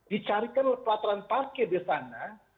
dicarikan pelataran parkir di sana